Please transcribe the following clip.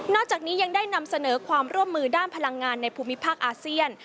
จากนี้ยังได้นำเสนอความร่วมมือด้านพลังงานในภูมิภาคอาเซียน